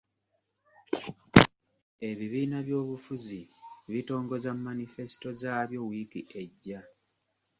Ebibiina by'obufuzi bitongoza manifesito zaabyo wiiki ejja.